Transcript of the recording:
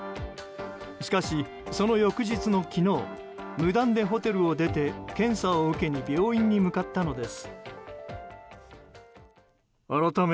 しかし、その翌日の昨日無断でホテルを出て検査を受けに病院に向かったのです。